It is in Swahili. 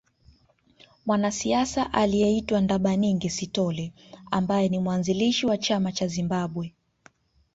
Mwanasiasa aliyeitwa Ndabaningi Sithole ambaye ni mwanzilishi wa chama cha Zimbabwe